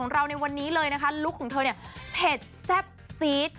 เราในวันนี้เลยนะคะลุคของเธอเนี่ยเผ็ดแซ่บซีด